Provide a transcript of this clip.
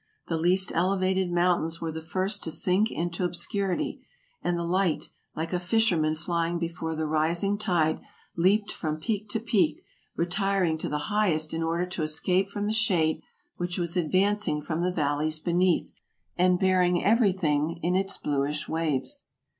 The least elevated mountains were the first to sink into obscurity, and the light, like a fisherman flying before the rising tide, leaped from peak to peak, retiring to the highest in order to escape from the shade which was advancing from the valleys beneath and burying everything in its bluish waves.